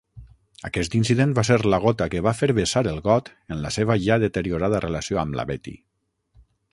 Aquest incident va ser la gota que va fer vessar el got en la seva ja deteriorada relació amb la Betty.